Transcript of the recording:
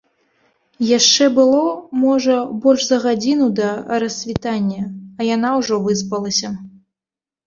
Яшчэ было, можа, больш за гадзіну да рассвітання, а яна ўжо выспалася.